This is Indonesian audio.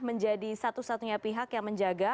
menjadi satu satunya pihak yang menjaga